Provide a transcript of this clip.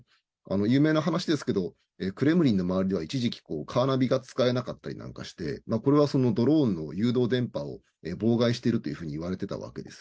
有名な話ですけど、クレムリンの周りでは一時期カーナビが使えなかったりとかしてこれはドローンの誘導電波を妨害していると言われてたわけです。